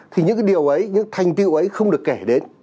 thì những cái điều ấy những thành tiêu ấy không được kể đến